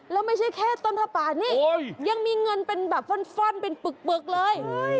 แล้วไม่ใช่แค่ต้นผ้าป่านี่ยังมีเงินเป็นแบบฟ่อนเป็นปึกเลย